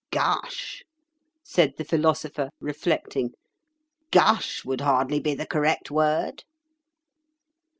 "'Gush,'" said the Philosopher, reflecting, "'gush' would hardly be the correct word."